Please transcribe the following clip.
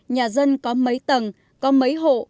nhà dân có mấy tầng có mấy hộ